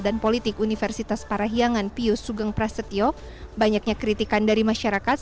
dan politik universitas parahiangan pius sugeng prasetyo banyaknya kritikan dari masyarakat